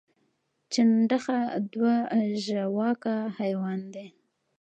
چنډخه دوه ژواکه حیوان دی